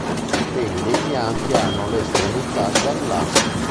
I peli dei fianchi hanno le estremità giallastre.